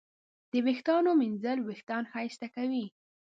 د ویښتانو ږمنځول وېښتان ښایسته کوي.